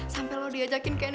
sampai lo diajakin ke ini